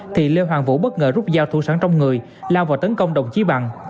thì lê hoàng vũ bất ngờ rút dao thủ sáng trong người lao vào tấn công đồng chí bằng